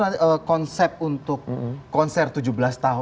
nanti kita akan lihat konsep untuk konser tujuh belas tahun